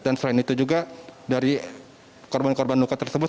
dan selain itu juga dari korban korban luka tersebut